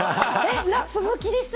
ラップ向きですか？